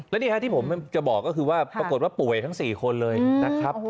และนี่ฮะที่ผมจะบอกก็คือว่าปรากฏว่าป่วยทั้ง๔คนเลยนะครับ